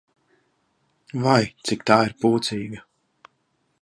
Vai, cik tā ir pūcīga!